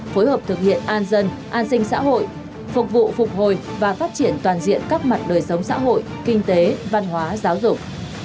phối hợp thực hiện an dân an sinh xã hội phục vụ phục hồi và phát triển toàn diện các mặt đời sống xã hội kinh tế văn hóa giáo dục